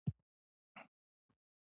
د روي په نوم یو سړی.